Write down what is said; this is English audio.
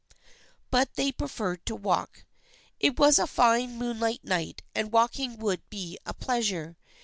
But they preferred to walk. It was a fine moonlight night and walking would be a pleasure.